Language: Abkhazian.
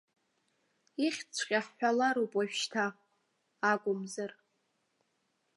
Ихьӡҵәҟьа ҳҳәалароуп уажәшьҭа, акәымзар.